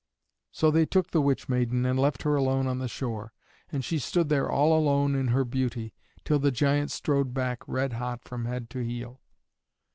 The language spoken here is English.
So they took the witch maiden and left her alone on the shore. And she stood there all alone in her beauty till the giant strode back red hot from head to heel.